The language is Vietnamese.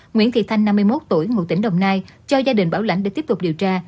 nguyễn thị thanh năm mươi một tuổi ngụ tỉnh đồng nai cho gia đình bảo lãnh để tiếp tục điều tra